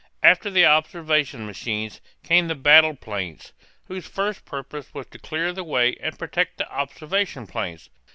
After the observation machines, came the battle planes, whose first purpose was to clear the way and protect the observation planes.